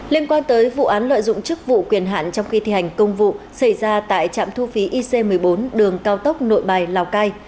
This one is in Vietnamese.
liên quan tới vụ án lợi dụng chức vụ quyền hạn trong khi thi hành công vụ xảy ra tại trạm thu phí ic một mươi bốn đường cao tốc nội bài lào cai